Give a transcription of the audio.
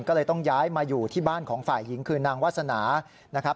ก็เลยต้องย้ายมาอยู่ที่บ้านของฝ่ายหญิงคือนางวาสนานะครับ